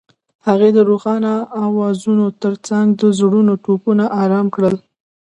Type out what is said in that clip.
هغې د روښانه اوازونو ترڅنګ د زړونو ټپونه آرام کړل.